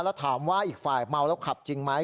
แล้วถามว่าอีกฝ่ายเมาแล้วขับจริงไหม